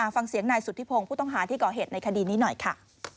ฟังเสียงนายสุธิพงศ์ผู้ต้องหาที่ก่อเหตุในคดีนี้หน่อยค่ะ